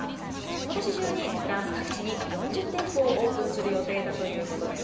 ことし中にフランス各地に４０店舗をオープンする予定だということです。